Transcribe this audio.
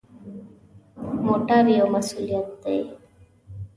موټر یو مسؤلیت دی.